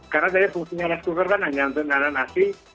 karena tadi fungsinya rest cooker kan hanya untuk naranasi